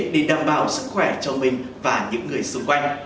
để đảm bảo sức khỏe cho mình và những người xung quanh